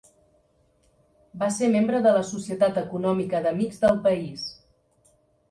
Va ser membre de la Societat Econòmica d'Amics del País.